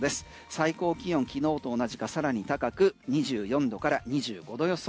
最高気温きのうと同じか更に高く２４度から２５度予想。